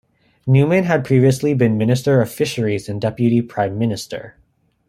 Numan had previously been Minister of Fisheries and Deputy Prime Minister.